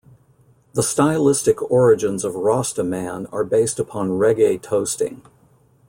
The stylistic origins of "Rosta Man" are based upon reggae toasting.